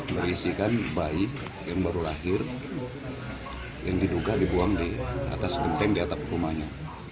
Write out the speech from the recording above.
berisikan bayi yang baru lahir yang diduga dibuang di atas genteng di atap rumahnya